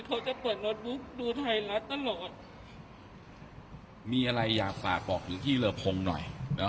เขาจะเปิดโน้ตบุ๊กดูไทยรัฐตลอดมีอะไรอยากฝากบอกถึงพี่เลอพงหน่อย